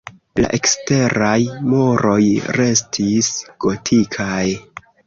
La eksteraj muroj restis gotikaj.